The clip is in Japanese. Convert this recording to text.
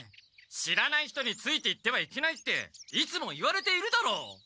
知らない人についていってはいけないっていつも言われているだろ！